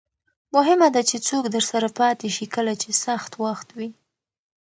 مهمه ده چې څوک درسره پاتې شي کله چې سخت وخت وي.